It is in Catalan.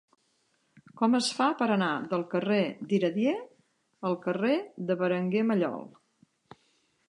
Com es fa per anar del carrer d'Iradier al carrer de Berenguer Mallol?